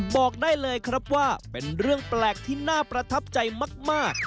บอกได้เลยครับว่าเป็นเรื่องแปลกที่น่าประทับใจมาก